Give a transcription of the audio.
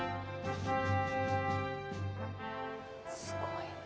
すごいな。